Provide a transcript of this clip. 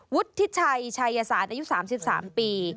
วุฒิชัยชัยศาสตร์อายุ๓๓ปี